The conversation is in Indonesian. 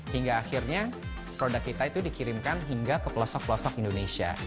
hingga akhirnya produk kita itu dikirimkan hingga ke pelosok pelosok indonesia